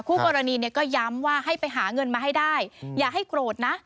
คู่กรณีเนี่ยก็ย้ำว่าให้ไปหาเงินมาให้ได้อย่าให้โกรธนะ